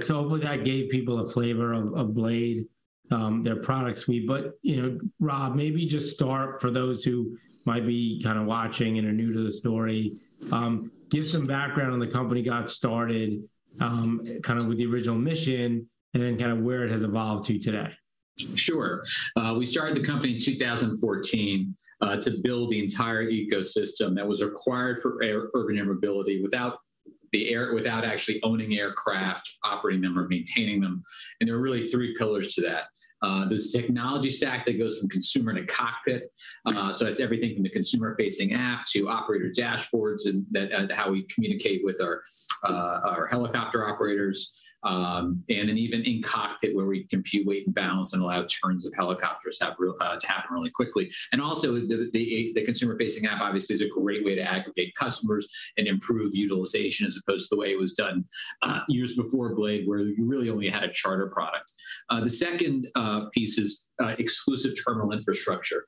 1Perfect. Hopefully that gave people a flavor of, of Blade, their product suite. You know, Rob, maybe just start, for those who might be kind of watching and are new to the story, give some background on the company got started, kind of with the original mission, and then kind of where it has evolved to today. Sure. We started the company in 2014, to build the entire ecosystem that was required for air- urban air mobility, without the air- without actually owning aircraft, operating them, or maintaining them, and there are really three pillars to that. There's a technology stack that goes from consumer to cockpit. So it's everything from the consumer-facing app to operator dashboards, and that, how we communicate with our, our helicopter operators. Then even in cockpit, where we compute weight and balance, and allow turns of helicopters to happen real- to happen really quickly. Also, the, the, the consumer-facing app obviously is a great way to aggregate customers and improve utilization, as opposed to the way it was done, years before Blade, where you really only had a charter product. The second, piece is, exclusive terminal infrastructure.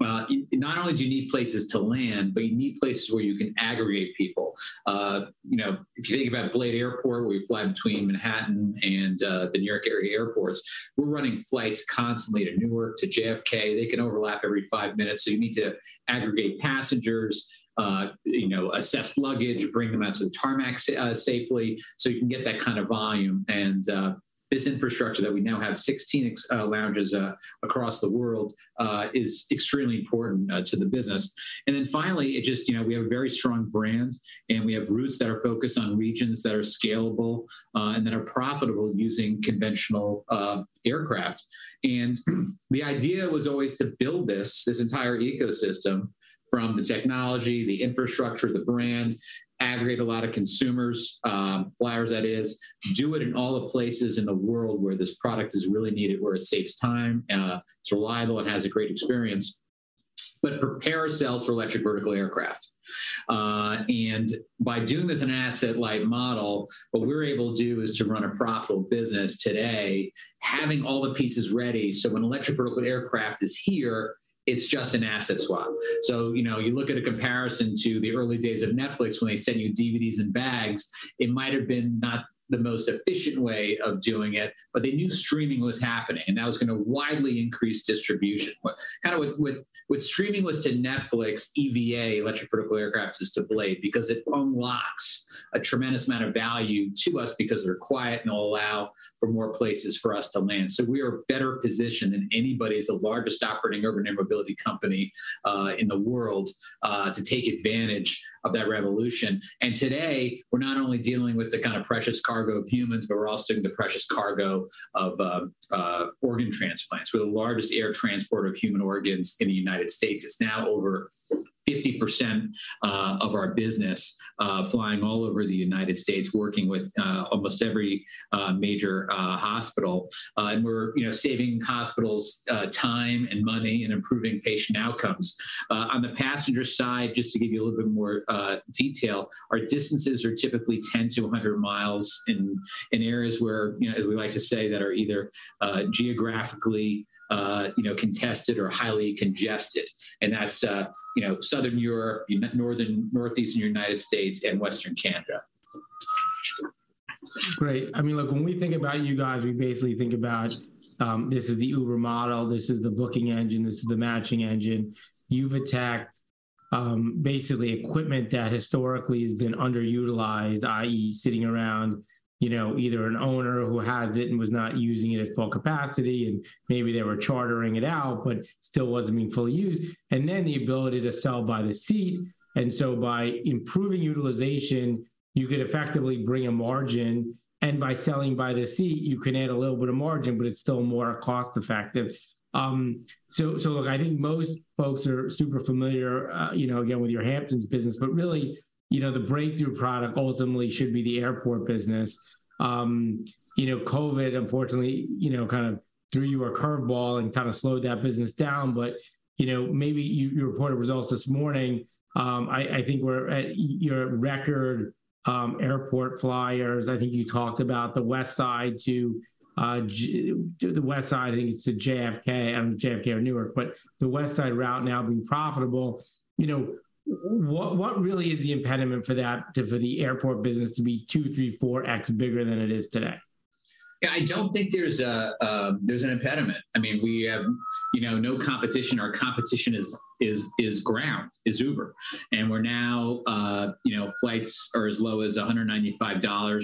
Not only do you need places to land, but you need places where you can aggregate people. You know, if you think about BLADE Airport, where we fly between Manhattan and the New York area airports, we're running flights constantly to Newark, to JFK. They can overlap every five minutes, you need to aggregate passengers, you know, assess luggage, bring them out to the tarmac safely, so you can get that kind of volume. This infrastructure that we now have 16 lounges across the world is extremely important to the business. Finally, it just, you know, we have a very strong brand, and we have routes that are focused on regions that are scalable and that are profitable using conventional aircraft. The idea was always to build this, this entire ecosystem from the technology, the infrastructure, the brand, aggregate a lot of consumers, flyers, that is. Do it in all the places in the world where this product is really needed, where it saves time, it's reliable, and has a great experience. Prepare ourselves for electric vertical aircraft. By doing this an asset-light model, what we're able to do is to run a profitable business today, having all the pieces ready, so when electric vertical aircraft is here, it's just an asset swap. You know, you look at a comparison to the early days of Netflix when they sent you DVDs in bags, it might have been not the most efficient way of doing it, but they knew streaming was happening, and that was gonna widely increase distribution. What, kind of what, what, what streaming was to Netflix, EVA, electric vertical aircraft, is to Blade. It unlocks a tremendous amount of value to us because they're quiet and they'll allow for more places for us to land. We are better positioned than anybody, as the largest operating urban air mobility company, in the world, to take advantage of that revolution. Today, we're not only dealing with the kind of precious cargo of humans, but we're also doing the precious cargo of organ transplants. We're the largest air transporter of human organs in the United States. It's now over 50%, of our business, flying all over the United States, working with almost every major hospital. We're, you know, saving hospitals, time and money, and improving patient outcomes. On the passenger side, just to give you a little bit more detail, our distances are typically 10 to 100 miles, in areas where, you know, as we like to say, that are either geographically, you know, contested or highly congested, and that's, you know, Southern Europe, Northeastern United States, and Western Canada. Great. I mean, look, when we think about you guys, we basically think about, this is the Uber model, this is the booking engine, this is the matching engine. You've attacked, basically equipment that historically has been underutilized, i.e., sitting around, you know, either an owner who has it and was not using it at full capacity, and maybe they were chartering it out, but still wasn't being fully used. The ability to sell by the seat, and so by improving utilization, you could effectively bring a margin, and by selling by the seat, you can add a little bit of margin, but it's still more cost-effective. Look, I think most folks are super familiar, you know, again, with your Hamptons business, but really, you know, the breakthrough product ultimately should be the airport business. you know, COVID, unfortunately, you know, kind of threw you a curveball and kind of slowed that business down, but, you know, maybe... You, you reported results this morning. I, I think we're at your record, airport flyers. I think you talked about the West Side to, the West Side, I think it's to JFK, JFK or Newark, but the West Side route now being profitable. You know, what, what really is the impediment for that, for the airport business to be 2, 3, 4x bigger than it is today? k there's an impediment. I mean, we have, you know, no competition, or competition is ground, is Uber. We're now, you know, flights are as low as $195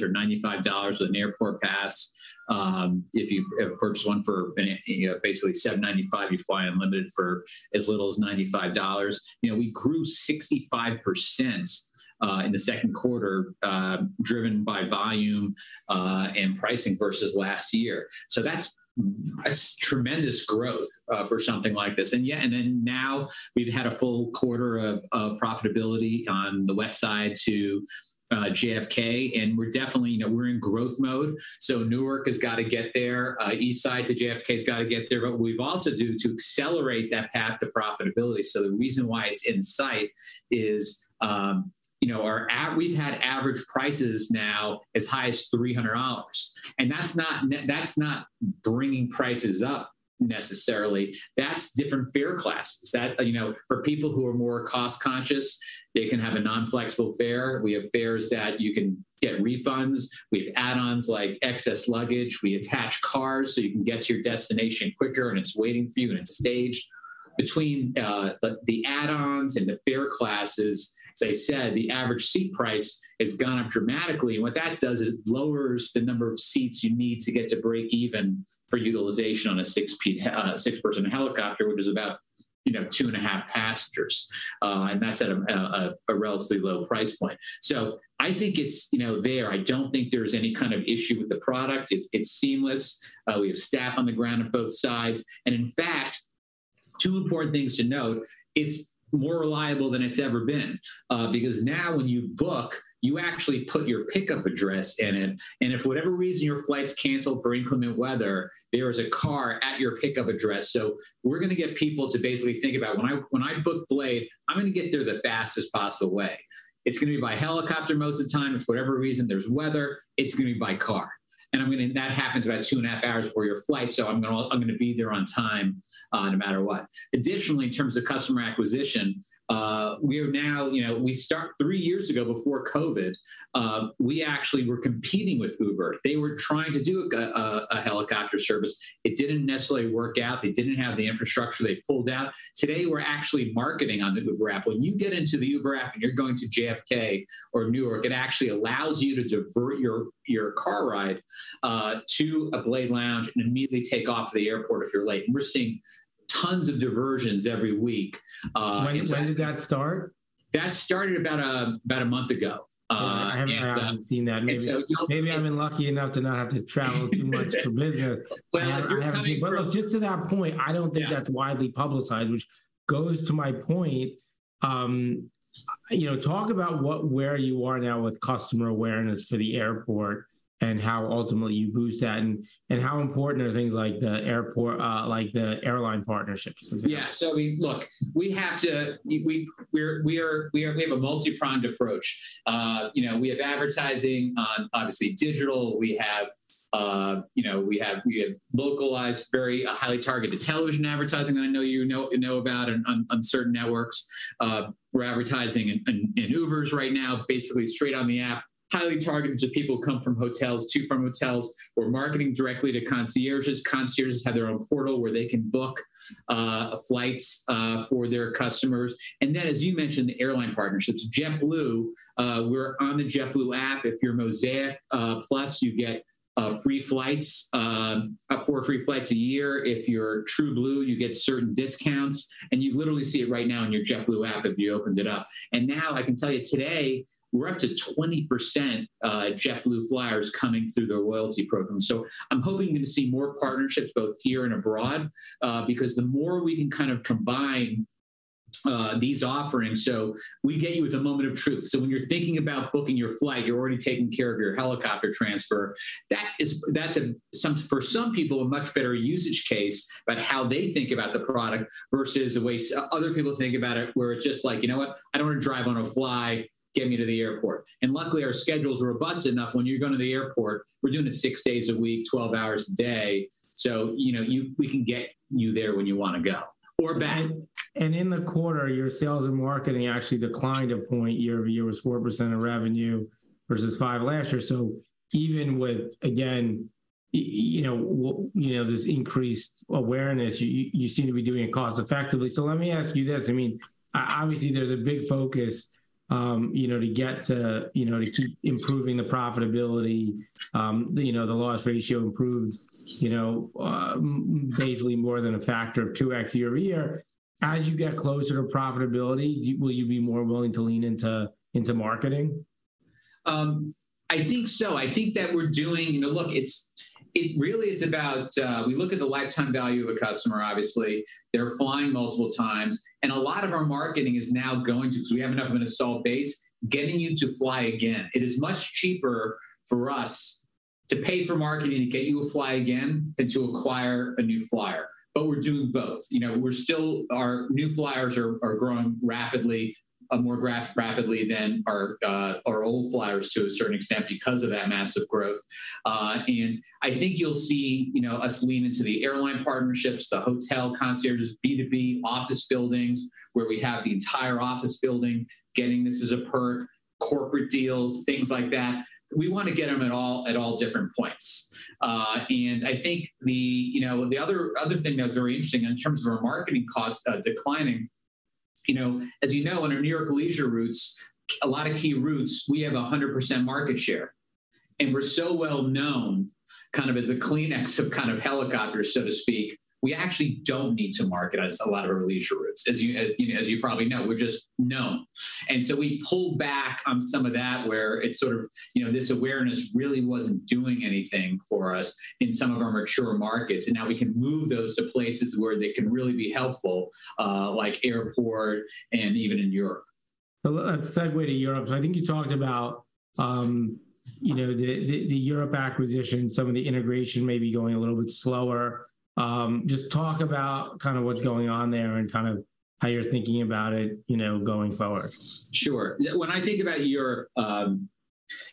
or $95 with an Airport Pass. If you purchase one for, you know, basically $795, you fly unlimited for as little as $95. You know, we grew 65% in the second quarter, driven by volume and pricing versus last year. That's tremendous growth for something like this. And yeah, now we've had a full quarter of profitability on the West Side to JFK, and we're definitely, you know, we're in growth mode. Newark has got to get there, East Side to JFK's got to get there What we've also do to accelerate that path to profitability, so the reason why it's in sight is, you know, our we've had average prices now as high as $300, and that's not that's not bringing prices up necessarily. That's different fare classes. That, you know, for people who are more cost-conscious, they can have a non-flexible fare. We have fares that you can get refunds. We have add-ons like excess luggage. We attach cars, so you can get to your destination quicker, and it's waiting for you, and it's staged. Between the, the add-ons and the fare classes, as I said, the average seat price has gone up dramatically, and what that does is it lowers the number of seats you need to get to break even for utilization on a six-person helicopter, which is about, you know, 2.5 passengers. That's at a relatively low price point. I think it's, you know, there. I don't think there's any kind of issue with the product. It's, it's seamless. We have staff on the ground on both sides. In fact, two important things to note: it's more reliable than it's ever been, because now when you book, you actually put your pickup address in it, and if for whatever reason, your flight's canceled for inclement weather, there is a car at your pickup address. We're gonna get people to basically think about, "When I, when I book Blade, I'm gonna get there the fastest possible way. It's gonna be by helicopter most of the time. If for whatever reason, there's weather, it's gonna be by car. That happens about 2.5 hours before your flight, so I'm gonna be there on time, no matter what." Additionally, in terms of customer acquisition, we are now, you know, three years ago, before COVID, we actually were competing with Uber. They were trying to do a helicopter service. It didn't necessarily work out. They didn't have the infrastructure. They pulled out. Today, we're actually marketing on the Uber app. When you get into the Uber app, and you're going to JFK or Newark, it actually allows you to divert your, your car ride, to a Blade lounge and immediately take off to the airport if you're late, and we're seeing tons of diversions every week. When did that start? That started about, about one month ago. Oh, I haven't seen that yet. And so, you know, it's- Maybe I've been lucky enough to not have to travel too much for business. Well, if you're coming- Look, just to that point. Yeah I don't think that's widely publicized, which goes to my point. You know, talk about what, where you are now with customer awareness for the airport and how ultimately you boost that, and, and how important are things like the airport, like the airline partnerships? Yeah, so we look, we have a multi-pronged approach. You know, we have advertising on, obviously, digital. We have, you know, we have localized, very highly-targeted television advertising that I know you know, know about on, on certain networks. We're advertising in, in, in Ubers right now, basically straight on the app, highly targeted to people who come from hotels, from hotels. We're marketing directly to concierges. Concierges have their own portal where they can book flights for their customers, and then, as you mentioned, the airline partnerships. JetBlue, we're on the JetBlue app. If you're Mosaic Plus, you get free flights up to four free flights a year. If you're TrueBlue, you get certain discounts, you literally see it right now in your JetBlue app if you opened it up. Now, I can tell you today, we're up to 20% JetBlue flyers coming through their loyalty program. I'm hoping to see more partnerships both here and abroad, because the more we can kind of combine these offerings, we get you at the moment of truth. When you're thinking about booking your flight, you're already taking care of your helicopter transfer. That's a, for some people, a much better usage case about how they think about the product versus the way other people think about it, where it's just like, "You know what? I don't want to drive on a fly. Get me to the airport." Luckily, our schedule's robust enough. When you're going to the airport, we're doing it six days a week, 12 hours a day, so, you know, we can get you there when you wanna go or back. In the quarter, your sales and marketing actually declined a point. Year-over-year was 4% of revenue versus five last year. Even with, again, you know, this increased awareness, you, you seem to be doing it cost-effectively. Let me ask you this: I mean, obviously, there's a big focus, you know, to get to, you know, to improving the profitability, you know, the loss ratio improved, you know, basically more than a factor of 2x year-over-year. As you get closer to profitability, will you be more willing to lean into, into marketing? I think so. I think that we're doing... You know, look, it's, it really is about, we look at the lifetime value of a customer, obviously. They're flying multiple times. A lot of our marketing is now going to, because we have enough of an installed base, getting you to fly again. It is much cheaper for us to pay for marketing to get you to fly again than to acquire a new flyer, but we're doing both. You know, we're still, our new flyers are, are growing rapidly, more rapidly than our, our old flyers to a certain extent because of that massive growth. I think you'll see, you know, us lean into the airline partnerships, the hotel concierges, B2B, office buildings, where we have the entire office building getting this as a perk, corporate deals, things like that. We want to get them at all, at all different points. I think the, you know, the other, other thing that was very interesting in terms of our marketing costs, declining, you know, as you know, in our New York leisure routes, a lot of key routes, we have 100% market share. We're so well-known, kind of as the Kleenex of kind of helicopters, so to speak, we actually don't need to market as a lot of our leisure routes. As you, as, as you probably know, we're just known, and so we pulled back on some of that, where it sort of, you know, this awareness really wasn't doing anything for us in some of our mature markets. Now we can move those to places where they can really be helpful, like airport and even in Europe. Well, let's segue to Europe. I think you talked about, you know, the, the, the Europe acquisition, some of the integration maybe going a little bit slower. Just talk about kind of what's going on there and kind of how you're thinking about it, you know, going forward. Sure. When I think about Europe,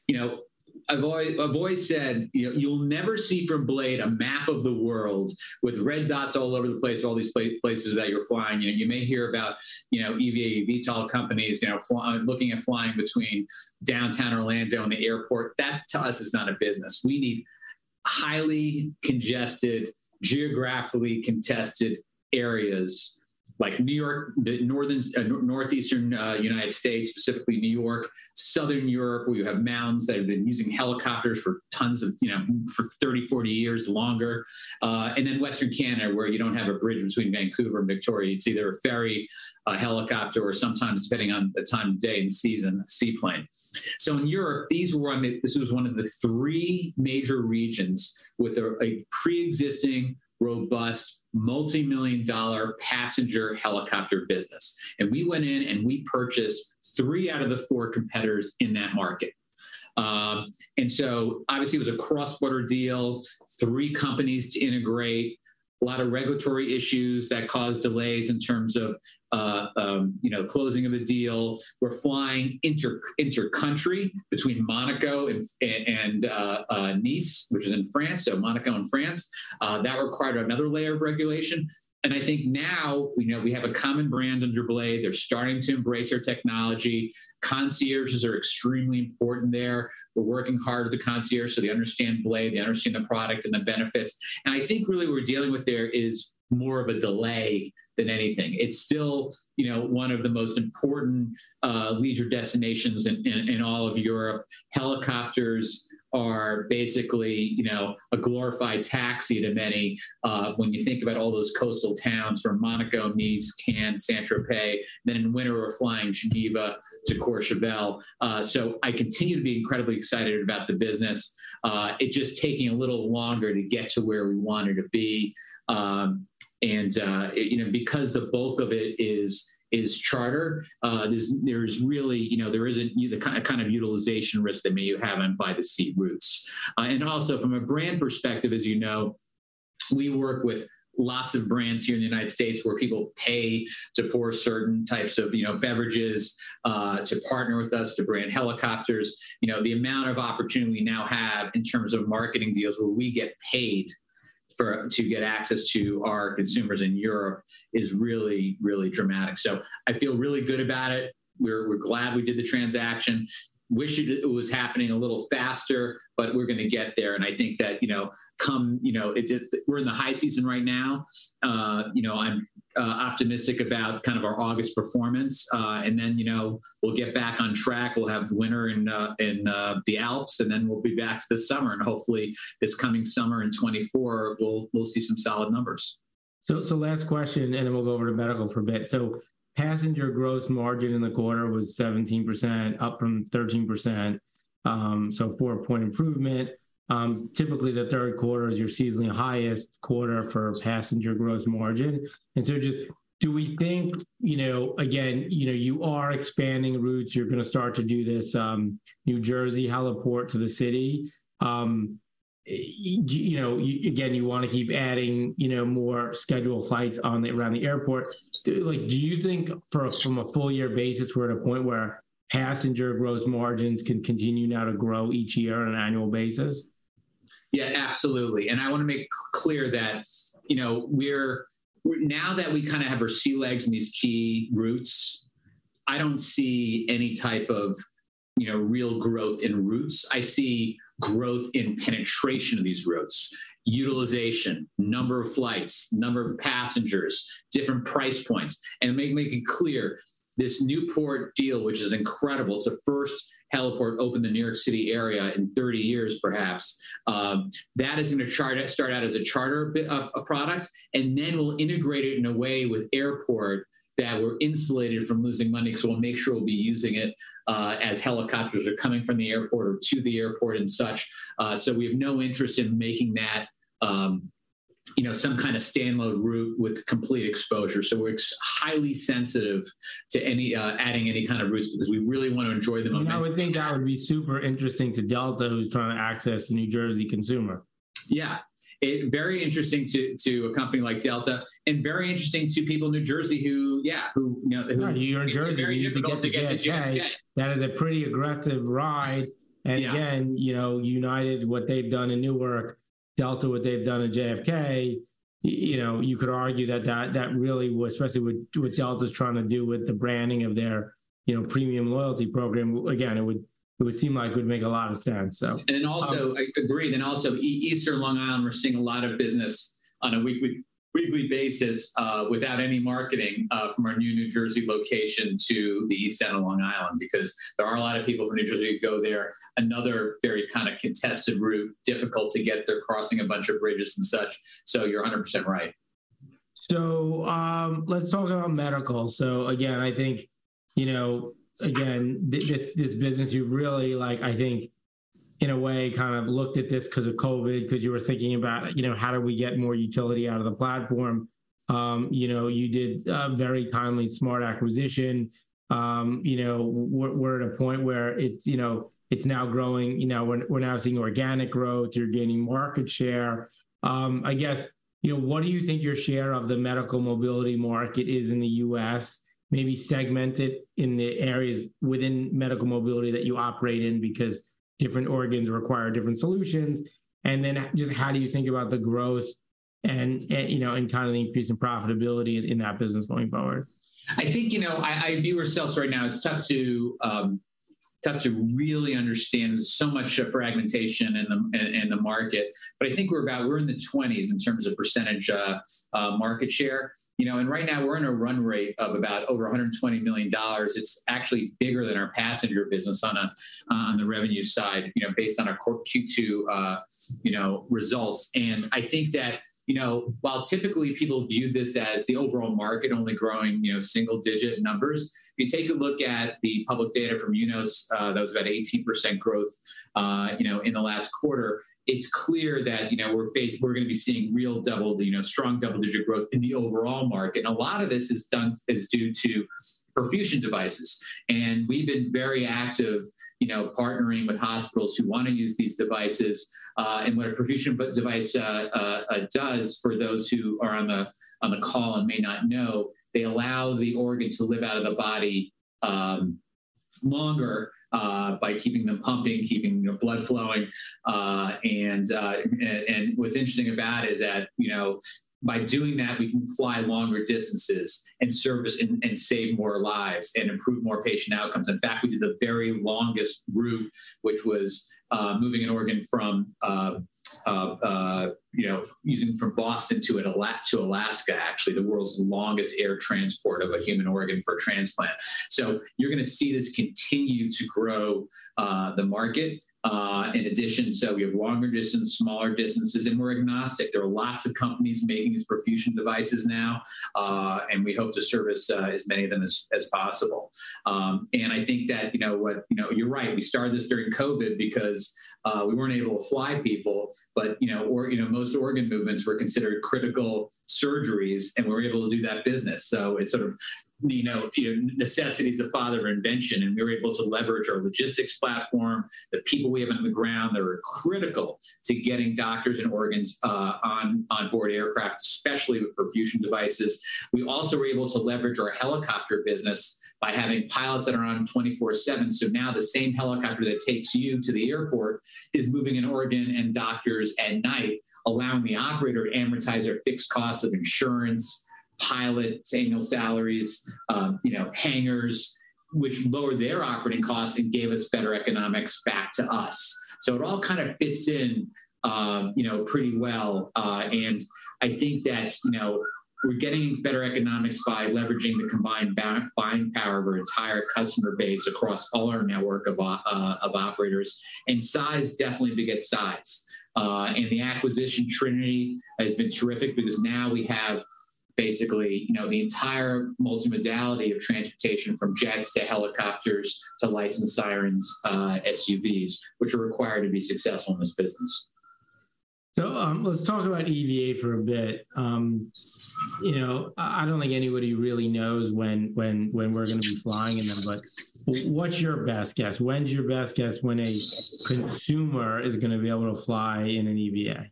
you know, I've always, I've always said, you know, "You'll never see from Blade a map of the world with red dots all over the place with all these places that you're flying." You know, you may hear about, you know, EVA, VTOL companies, you know, looking at flying between downtown Orlando and the airport. That, to us, is not a business. We need highly congested, geographically contested areas like New York, the northern, northeastern United States, specifically New York, Southern Europe, where you have mounds that have been using helicopters for tons of, you know, for 30, 40 years, longer, and then Western Canada, where you don't have a bridge between Vancouver and Victoria. It's either a ferry, a helicopter, or sometimes, depending on the time of day and season, a seaplane. In Europe, This was one of the three major regions with a preexisting, robust, multimillion-dollar passenger helicopter business, and we went in and we purchased three out of the four competitors in that market. Obviously, it was a cross-border deal, three companies to integrate, a lot of regulatory issues that caused delays in terms of, you know, closing of the deal. We're flying intercountry between Monaco and Nice, which is in France, so Monaco and France. That required another layer of regulation, and I think now, we have a common brand under Blade. They're starting to embrace our technology. Concierges are extremely important there. We're working hard with the concierge, so they understand Blade, they understand the product and the benefits, I think really what we're dealing with there is more of a delay than anything. It's still, you know, one of the most important leisure destinations in, in, in all of Europe. Helicopters are basically, you know, a glorified taxi to many. When you think about all those coastal towns from Monaco, Nice, Cannes, Saint-Tropez, In winter, we're flying Geneva to Courchevel. I continue to be incredibly excited about the business. It's just taking a little longer to get to where we wanted to be. You know, because the bulk of it is, is charter, there's, there's really, you know, there isn't the kind of utilization risk that maybe you have on fly-the-seat routes. Also from a brand perspective, as you know, we work with lots of brands here in the United States where people pay to pour certain types of, you know, beverages, to partner with us, to brand helicopters. You know, the amount of opportunity we now have in terms of marketing deals where we get paid for, to get access to our consumers in Europe is really, really dramatic. I feel really good about it. We're, we're glad we did the transaction. Wish it was happening a little faster. We're gonna get there, and I think that, you know, come, it just- we're in the high season right now. You know, I'm optimistic about kind of our August performance. Then, you know, we'll get back on track. We'll have winter in the Alps, and then we'll be back this summer, and hopefully, this coming summer in 2024, we'll see some solid numbers. Last question, and then we'll go over to medical for a bit. Passenger growth margin in the quarter was 17%, up from 13%, so a 4-point improvement. Typically, the third quarter is your seasonally highest quarter for passenger growth margin. Just do we think? You know, again, you know, you are expanding routes. You're gonna start to do this New Jersey heliport to the city. You know, again, you wanna keep adding, you know, more scheduled flights on the, around the airport. Do, like, do you think from a, from a full year basis, we're at a point where passenger growth margins can continue now to grow each year on an annual basis? Yeah, absolutely, and I wanna make clear that, you know, we're, now that we kind of have our sea legs in these key routes, I don't see any type of, you know, real growth in routes. I see growth in penetration of these routes, utilization, number of flights, number of passengers, different price points. May I make it clear, this Newport deal, which is incredible, it's the first heliport opened in the New York City area in 30 years, perhaps, that is gonna charter start out as a charter product, and then we'll integrate it in a way with airport that we're insulated from losing money, because we'll make sure we'll be using it as helicopters are coming from the airport or to the airport and such. We have no interest in making that, you know, some kind of standalone route with complete exposure. We're highly sensitive to any, adding any kind of routes, because we really wanna enjoy the momentum. You know, I would think that would be super interesting to Delta, who's trying to access the New Jersey consumer. Yeah, very interesting to, to a company like Delta, and very interesting to people in New Jersey yeah, who, you know. Well, you're in New Jersey... It's very difficult to get to JFK. that is a pretty aggressive ride. Yeah. Again, you know, United, what they've done in Newark, Delta, what they've done in JFK, you know, you could argue that that, that really especially with what Delta's trying to do with the branding of their, you know, premium loyalty program, again, it would, it would seem like it would make a lot of sense. Then also, I agree, then also Eastern Long Island, we're seeing a lot of business on a weekly, weekly basis, without any marketing, from our new New Jersey location to the East Side of Long Island, because there are a lot of people from New Jersey who go there. Another very kind of contested route, difficult to get there, crossing a bunch of bridges and such. You're 100% right. Let's talk about medical. Again, I think, you know, again, this, this business, you've really, like, I think, in a way, kind of looked at this because of COVID, because you were thinking about, you know, how do we get more utility out of the platform? You know, you did a very timely and smart acquisition. You know, we're, we're at a point where it's, you know, it's now growing. You know, we're, we're now seeing organic growth. You're gaining market share. I guess, you know, what do you think your share of the medical mobility market is in the U.S., maybe segmented in the areas within medical mobility that you operate in? Because different organs require different solutions. Just how do you think about the growth-... You know, and constantly increasing profitability in, in that business going forward? I think, you know, I, I view ourselves right now, it's tough to tough to really understand. There's so much fragmentation in the, in, in the market. I think we're we're in the 20s in terms of percentage market share. You know, and right now we're in a run rate of about over $120 million. It's actually bigger than our passenger business on a, on the revenue side, you know, based on our core Q2, you know, results. I think that, you know, while typically people view this as the overall market only growing, you know, single-digit numbers, if you take a look at the public data from UNOS, that was about 18% growth, you know, in the last quarter, it's clear that, you know, we're gonna be seeing real double, you know, strong double-digit growth in the overall market. A lot of this is done, is due to perfusion devices, and we've been very active, you know, partnering with hospitals who wanna use these devices. And what a perfusion device does for those who are on the, on the call and may not know, they allow the organ to live out of the body, longer, by keeping them pumping, keeping, you know, blood flowing. What's interesting about it is that, you know, by doing that, we can fly longer distances and service and, and save more lives and improve more patient outcomes. In fact, we did the very longest route, which was, moving an organ from, you know, moving from Boston to Alaska, actually, the world's longest air transport of a human organ for transplant. You're gonna see this continue to grow, the market. In addition, we have longer distance, smaller distances, and we're agnostic. There are lots of companies making these perfusion devices now, and we hope to service as many of them as, as possible. I think that, you know what? You know, you're right. We started this during COVID because we weren't able to fly people, but, you know, or, you know, most organ movements were considered critical surgeries, and we were able to do that business. It sort of, you know, you know, necessity is the father of invention, and we were able to leverage our logistics platform, the people we have on the ground that are critical to getting doctors and organs on, on board aircraft, especially with perfusion devices. We also were able to leverage our helicopter business by having pilots that are on 24/7. Now the same helicopter that takes you to the airport is moving an organ and doctors at night, allowing the operator to amortize their fixed costs of insurance, pilots, annual salaries, you know, hangars, which lowered their operating costs and gave us better economics back to us. It all kind of fits in, you know, pretty well. I think that, you know, we're getting better economics by leveraging the combined buying power of our entire customer base across all our network of operators. Size definitely beget size. The acquisition Trinity has been terrific because now we have basically, you know, the entire multimodality of transportation, from jets to helicopters to lights and sirens, SUVs, which are required to be successful in this business. Let's talk about EVA for a bit. You know, I, I don't think anybody really knows when, when, when we're gonna be flying in them, but what's your best guess? When's your best guess when a consumer is gonna be able to fly in an EVA?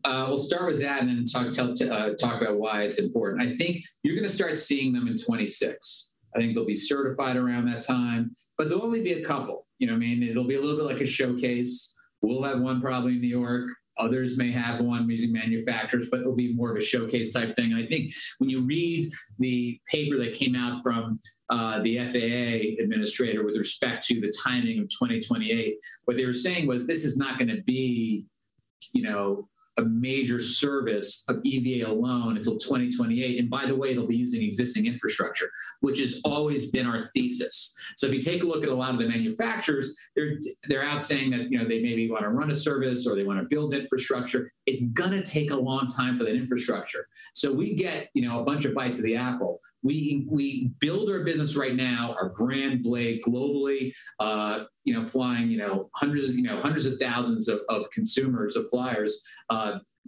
We'll start with that and then talk, tell, talk about why it's important. I think you're gonna start seeing them in 2026. I think they'll be certified around that time, there'll only be a couple, you know what I mean? It'll be a little bit like a showcase. We'll have one probably in New York, others may have one, using manufacturers, it'll be more of a showcase-type thing. I think when you read the paper that came out from the FAA administrator with respect to the timing of 2028, what they were saying was, this is not gonna be, you know, a major service of EVA alone until 2028. By the way, they'll be using existing infrastructure, which has always been our thesis. If you take a look at a lot of the manufacturers, they're out saying that, you know, they maybe wanna run a service or they wanna build infrastructure. It's gonna take a long time for that infrastructure. We get, you know, a bunch of bites of the apple. We build our business right now, our brand, Blade, globally, you know, flying, you know, hundreds, you know, hundreds of thousands of, of consumers, of flyers,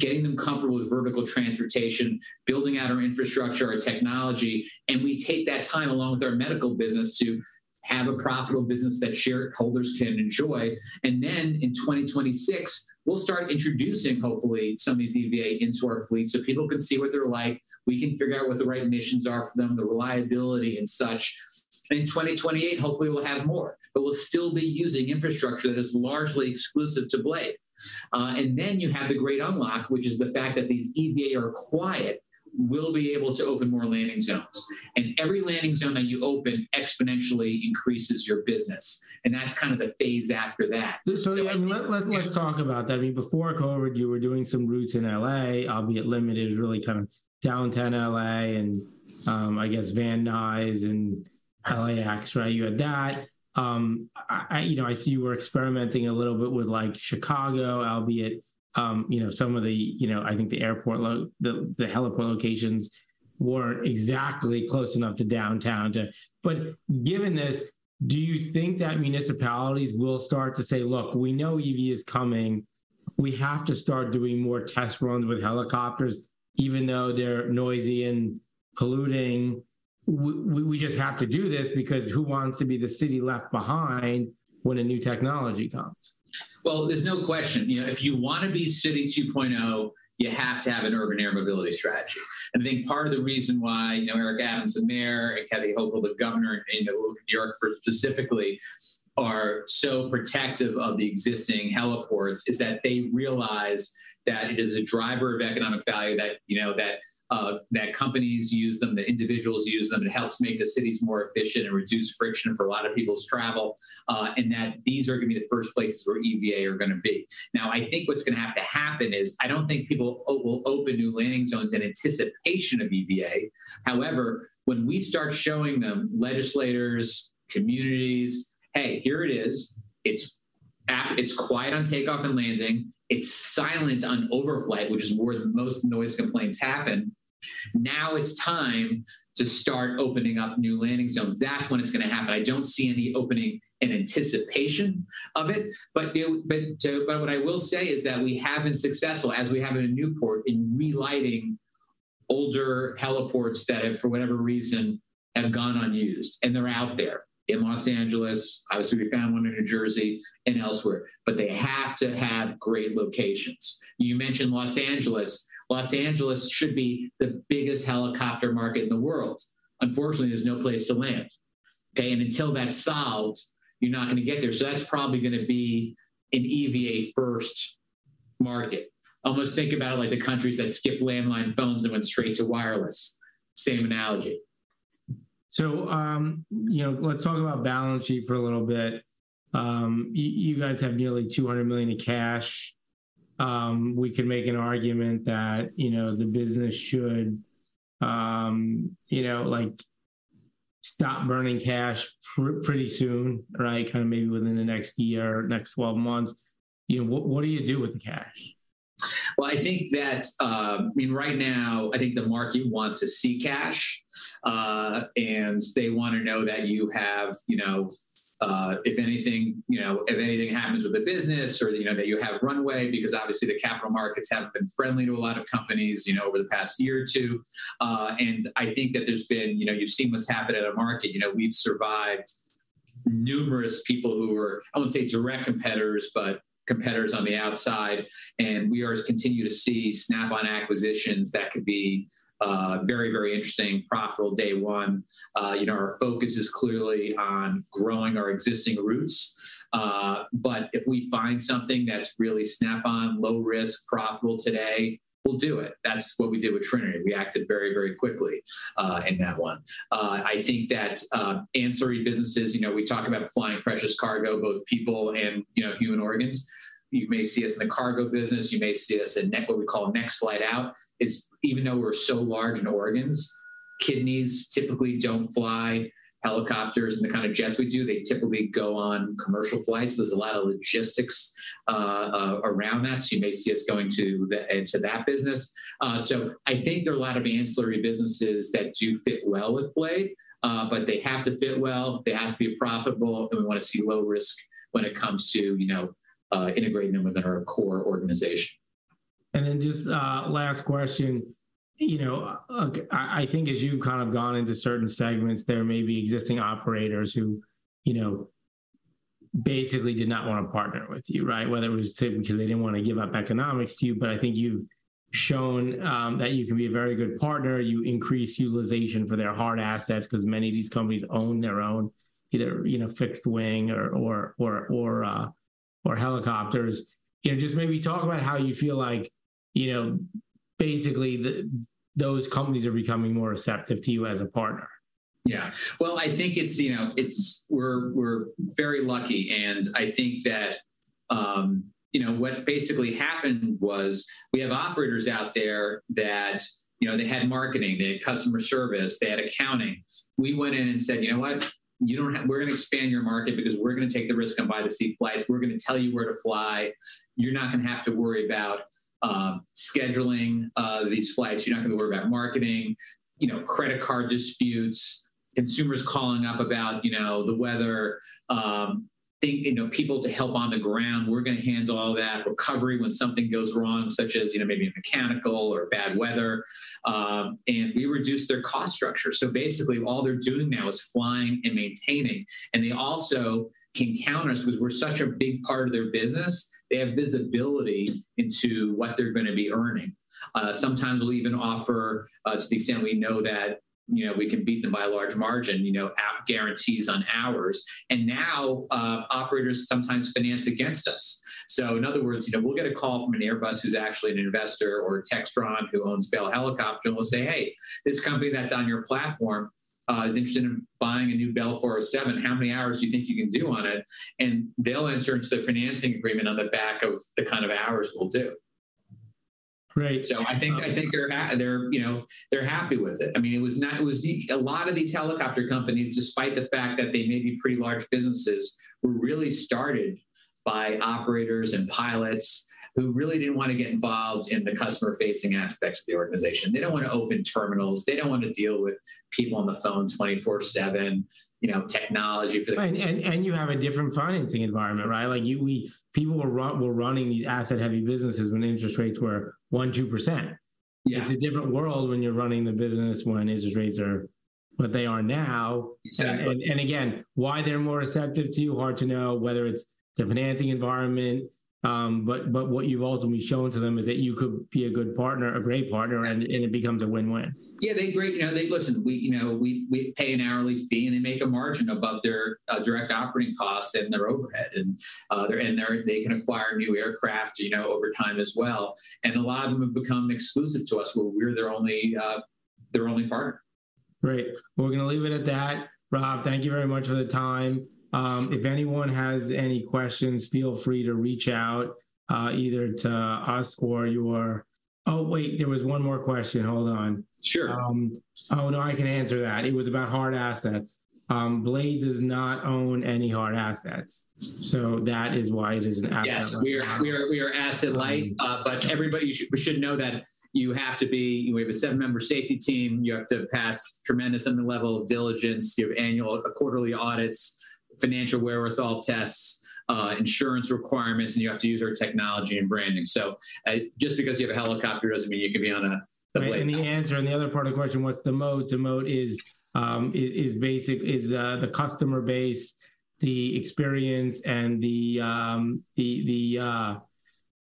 getting them comfortable with vertical transportation, building out our infrastructure, our technology, and we take that time, along with our medical business, to have a profitable business that shareholders can enjoy. Then in 2026, we'll start introducing, hopefully, some of these EVA into our fleet so people can see what they're like. We can figure out what the right missions are for them, the reliability and such. In 2028, hopefully, we'll have more, but we'll still be using infrastructure that is largely exclusive to Blade. Then you have the great unlock, which is the fact that these EVA are quiet. We'll be able to open more landing zones, and every landing zone that you open exponentially increases your business, and that's kind of the phase after that. Let, let, let's talk about that. I mean, before COVID, you were doing some routes in L.A., albeit limited, really kind of downtown L.A. and, I guess, Van Nuys and LAX, right? You had that. I, I, I see you were experimenting a little bit with, like, Chicago, albeit, some of the, I think the airport the, the helipad locations weren't exactly close enough to downtown to. Given this, do you think that municipalities will start to say: "Look, we know E.V. is coming. We have to start doing more test runs with helicopters, even though they're noisy and polluting. We, we, we just have to do this, because who wants to be the city left behind when a new technology comes? Well, there's no question. You know, if you wanna be City 2.0, you have to have an urban air mobility strategy. I think part of the reason why, you know, Eric Adams, the mayor, and Kathy Hochul, the governor, and New York specifically are so protective of the existing heliports, is that they realize that it is a driver of economic value that, you know, that, that companies use them, that individuals use them. It helps make the cities more efficient and reduce friction for a lot of people's travel. And that these are gonna be the first places where EVA are gonna be. Now, I think what's gonna have to happen is, I don't think people will open new landing zones in anticipation of EVA. However, when we start showing them, legislators, communities, "Hey, here it is. It's quiet on takeoff and landing, it's silent on overflight," which is where the most noise complaints happen. Now it's time to start opening up new landing zones. That's when it's gonna happen. I don't see any opening in anticipation of it. What I will say is that we have been successful, as we have in Newport, in relighting older heliports that have, for whatever reason, have gone unused. They're out there, in Los Angeles, obviously we found one in New Jersey, and elsewhere. They have to have great locations. You mentioned Los Angeles. Los Angeles should be the biggest helicopter market in the world. Unfortunately, there's no place to land, okay? Until that's solved, you're not gonna get there. That's probably gonna be an EVA first market. Almost think about it like the countries that skipped landline phones and went straight to wireless. Same analogy. You know, let's talk about balance sheet for a little bit. You guys have nearly $200 million in cash. We can make an argument that, you know, the business should, you know, like, stop burning cash pretty soon, right? Kind of maybe within the next year, next 12 months. You know, what, what do you do with the cash? Well, I mean, right now, I think the market wants to see cash. They wanna know that you have, you know, if anything, you know, if anything happens with the business or, you know, that you have runway, because obviously the capital markets haven't been friendly to a lot of companies, you know, over the past year or two. I think that there's been you know, you've seen what's happened at a market. You know, we've survived numerous people who were, I wouldn't say direct competitors, but competitors on the outside, and we are continue to see snap-on acquisitions that could be very, very interesting, profitable day one. You know, our focus is clearly on growing our existing routes. If we find something that is really snap-on, low-risk, profitable today, we'll do it. That's what we did with Trinity. We acted very, very quickly in that one. I think that ancillary businesses, you know, we talk about flying precious cargo, both people and, you know, human organs. You may see us in the cargo business, you may see us in what we call next flight out. It's, even though we're so large in organs, kidneys typically don't fly helicopters and the kind of jets we do, they typically go on commercial flights. There's a lot of logistics around that, so you may see us going into that business. I think there are a lot of ancillary businesses that do fit well with Blade, but they have to fit well, they have to be profitable, and we wanna see low risk when it comes to, you know, integrating them within our core organization. Just a last question. You know, I, I think as you've kind of gone into certain segments, there may be existing operators who, you know, basically did not wanna partner with you, right? Whether it was simply because they didn't wanna give up economics to you, but I think you've shown that you can be a very good partner, you increase utilization for their hard assets, 'cause many of these companies own their own, either, you know, fixed wing or, or, or, or helicopters. You know, just maybe talk about how you feel like, you know, basically those companies are becoming more receptive to you as a partner. Yeah. Well, I think it's, you know. We're, we're very lucky, and I think that, you know, what basically happened was, we have operators out there that, you know, they had marketing, they had customer service, they had accounting. We went in and said, "You know what? We're gonna expand your market, because we're gonna take the risk and buy the seat flights. We're gonna tell you where to fly. You're not gonna have to worry about scheduling these flights. You're not gonna worry about marketing, you know, credit card disputes, consumers calling up about, you know, the weather. You know, people to help on the ground. We're gonna handle all that recovery when something goes wrong, such as, you know, maybe a mechanical or bad weather. We reduced their cost structure. Basically all they're doing now is flying and maintaining. They also can count on us, because we're such a big part of their business, they have visibility into what they're gonna be earning. Sometimes we'll even offer, to the extent we know that, you know, we can beat them by a large margin, you know, app guarantees on hours. Now, operators sometimes finance against us. In other words, you know, we'll get a call from an Airbus who's actually an investor, or Textron, who owns Bell Helicopter, and we'll say, "Hey, this company that's on your platform, is interested in buying a new Bell 407. How many hours do you think you can do on it?" They'll enter into the financing agreement on the back of the kind of hours we'll do. Great. I think, I think they're, you know, they're happy with it. I mean, it was not, it was. A lot of these helicopter companies, despite the fact that they may be pretty large businesses, were really started by operators and pilots who really didn't wanna get involved in the customer-facing aspects of the organization. They don't wanna open terminals, they don't wanna deal with people on the phone 24/7, you know, technology for the. Right. You have a different financing environment, right? Like you, we, people were running these asset-heavy businesses when interest rates were 1%, 2%. Yeah. It's a different world when you're running the business when interest rates are what they are now. Exactly. Again, why they're more receptive to you, hard to know, whether it's the financing environment, but what you've ultimately shown to them is that you could be a good partner, a great partner. Right and, and it becomes a win-win. Yeah, they break, you know. Listen, we, you know, we, we pay an hourly fee, and they make a margin above their direct operating costs and their overhead. They can acquire new aircraft, you know, over time as well. A lot of them have become exclusive to us, where we're their only their only partner. Great. We're gonna leave it at that. Rob, thank you very much for the time. If anyone has any questions, feel free to reach out, either to us or. Oh, wait, there was one more question. Hold on. Sure. Oh, no, I can answer that. It was about hard assets. Blade does not own any hard assets, so that is why it is an asset- Yes, we are, we are, we are asset-light. Mm. Everybody should, we should know that we have a seven members safety team, you have to pass tremendous on the level of diligence, you have annual, quarterly audits, financial wherewithal tests, insurance requirements, and you have to use our technology and branding. Just because you have a helicopter doesn't mean you can be on a, a Blade. The answer, and the other part of the question, what's the mode? The mode is the customer base, the experience, and the FBOs.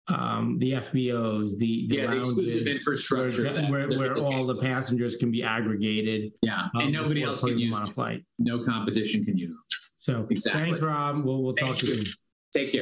Yeah, the exclusive infrastructure. where all the passengers can be aggregated- Yeah before taking off on a flight. No competition can you. So- Exactly thanks, Rob. We'll talk soon. Thank you. Take care.